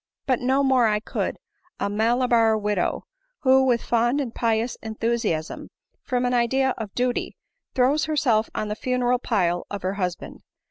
But no more I could a JMala i bar widow, who with fond and pious enthusiasm, from an * idea of duty, throws herself on the funeral pile of her husband.